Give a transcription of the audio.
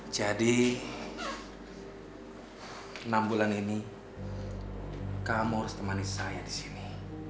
jadi enam bulan ini kamu harus temani saya di sini